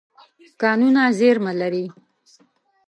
کانونه زیرمه لري.